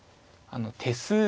手数